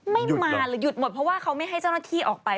ไม่มาหรือหยุดหมดเพราะว่าเขาไม่ให้เจ้าหน้าที่ออกไป